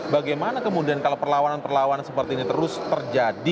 bagaimana kemudian kalau perlawanan perlawanan seperti ini terus terjadi